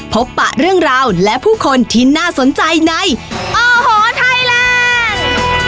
ปะเรื่องราวและผู้คนที่น่าสนใจในโอ้โหไทยแลนด์